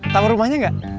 tau rumahnya gak